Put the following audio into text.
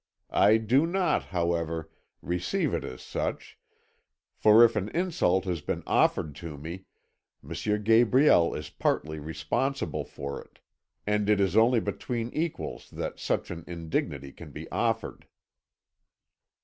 I do not, however, receive it as such, for if an insult has been offered to me, M. Gabriel is partly responsible for it, and it is only between equals that such an indignity can be offered.'